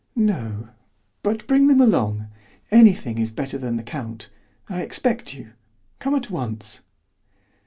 "No, but bring them along. Anything is better than the count. I expect you. Come at once."